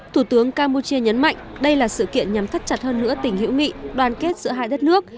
thủ tướng campuchia nhấn mạnh đây là sự kiện nhằm thắt chặt hơn nữa tình hữu nghị đoàn kết giữa hai đất nước